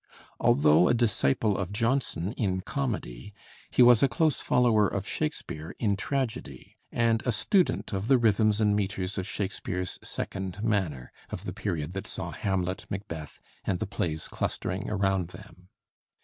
Although a disciple of Jonson in comedy, he was a close follower of Shakespeare in tragedy, and a student of the rhythms and metres of Shakespeare's second manner, of the period that saw 'Hamlet,' 'Macbeth,' and the plays clustering around them.